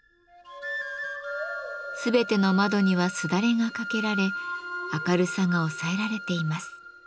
全ての窓にはすだれが掛けられ明るさが抑えられています。